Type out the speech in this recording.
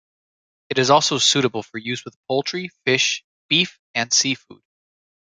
It is also suitable for use with poultry, fish, beef, and seafood.